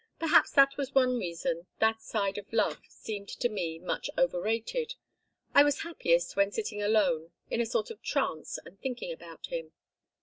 Perhaps that was one reason that side of love seemed to me much overrated. I was happiest when sitting alone in a sort of trance and thinking about him."